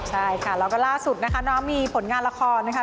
ใช่ค่ะแล้วก็ล่าสุดนะคะน้องมีผลงานละครนะคะ